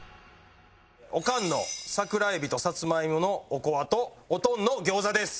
オカンの桜エビとさつまいものおこわとオトンの餃子です。